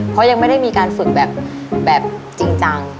เพราะยังไม่ได้มีการฝึกแบบจริงจัง